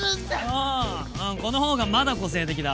ああこのほうがまだ個性的だ。